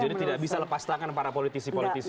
jadi tidak bisa lepas tangan para politisi politisi itu